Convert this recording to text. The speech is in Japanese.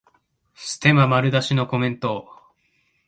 ステマ丸出しのコメント